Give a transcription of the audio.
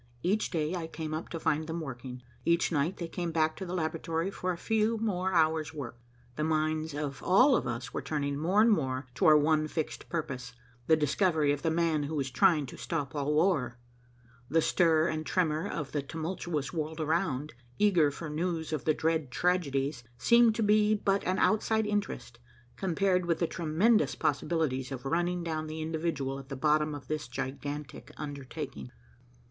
Each day I came up to find them working. Each night they came back to the laboratory for a few more hours' work. The minds of all of us were turning more and more to our one fixed purpose, the discovery of the man who was trying to stop all war. The stir and tremor of the tumultuous world around, eager for news of the dread tragedies, seemed to be but an outside interest, compared with the tremendous possibilities of running down the individual at the bottom of this gigantic undertaking.